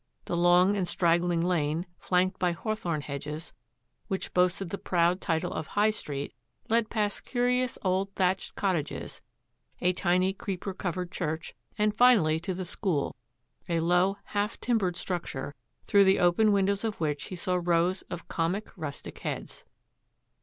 The long and straggling lane, flanked by hawthorn hedges, which boasted the proud title of High Street, led past curious old thatched cot tages, a tiny creeper covered church, and finally to the school, a low, half timbered structure, through the open windows of which he saw rows of comic rustic heads.